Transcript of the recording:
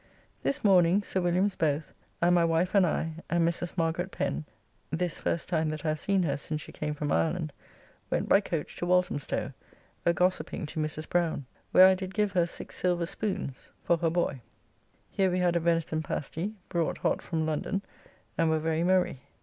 This morning Sir Williams both, and my wife and I and Mrs. Margarett Pen (this first time that I have seen her since she came from Ireland) went by coach to Walthamstow, a gossiping to Mrs. Browne, where I did give her six silver spoons [But not the porringer of silver. See May 29th, 1661. M. B] for her boy. Here we had a venison pasty, brought hot from London, and were very merry.